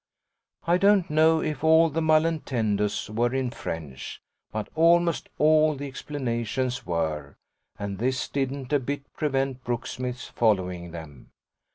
I don't know if all the malentendus were in French, but almost all the explanations were, and this didn't a bit prevent Brooksmith's following them.